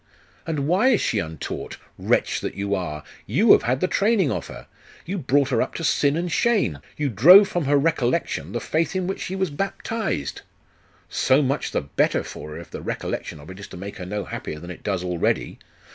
'And why is she untaught? Wretch that you are. You have had the training of her! You brought her up to sin and shame! You drove from her recollection the faith in which she was baptized!' 'So much the better for her, if the recollection of it is to make her no happier than it does already.